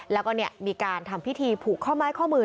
แล้วก็มีการทำพิธีผูกข้อไม้ข้อมือ